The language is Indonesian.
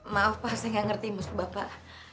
maaf pak saya gak ngerti musuh bapak